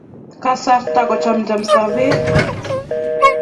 Kasarta kochamcham sobee.